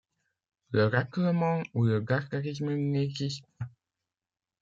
Le raclement ou le gargarisme n'existe pas.